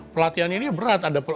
pelatihan ini berat